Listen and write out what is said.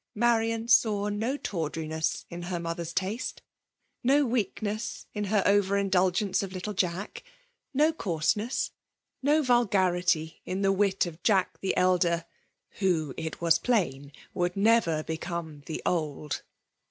— Marian saw no tawdriness in her mothw's taete ;— no weakness in her over indulgence of little Jack, — no coarseness — no vulgarity in the vit of Jack the elder — who, it was plain» would never become the old.